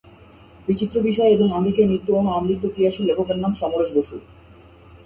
বিচিত্র বিষয় এবং আঙ্গিকে নিত্য ও আমৃত্যু ক্রিয়াশীল লেখকের নাম সমরেশ বসু।